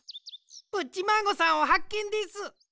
プッチマーゴさんをはっけんです！